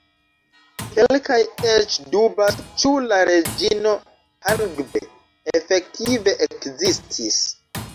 Kelkaj eĉ dubas ĉu la Reĝino Hangbe efektive ekzistis.